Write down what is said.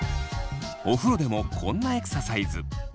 お風呂でもこんなエクササイズ。